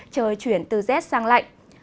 trời chuyển từ rét sang lạnh